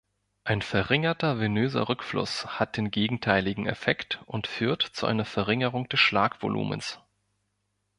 Ein verringerter venöser Rückfluss hat den gegenteiligen Effekt und führt zu einer Verringerung des Schlagvolumens.